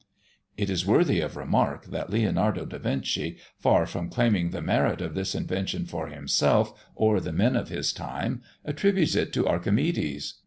It is worthy of remark that Leonardo da Vinci, far from claiming the merit of this invention for himself or the men of his time, attributes it to Archimedes.